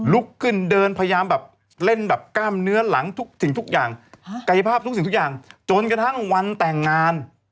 ลุกขึ้นเดินพยายามแบบเล่นแบบกล้ามเนื้อหลังทุกสิ่งทุกอย่างกายภาพทุกสิ่งทุกอย่างจนกระทั่งวันแต่งงาน